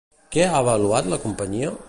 Què ha avaluat la companyia?